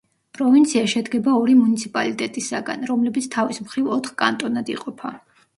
პროვინცია შედგება ორი მუნიციპალიტეტისაგან, რომლებიც თავის მხრივ ოთხ კანტონად იყოფა.